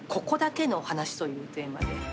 ここだけの話」というテーマで。